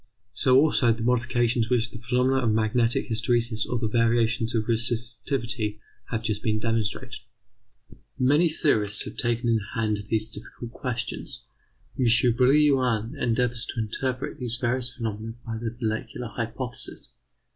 So also the modifications which the phenomena of magnetic hysteresis or the variations of resistivity have just demonstrated. Many theorists have taken in hand these difficult questions. M. Brillouin endeavours to interpret these various phenomena by the molecular hypothesis.